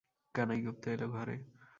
কানাইগুপ্ত এল ঘরে।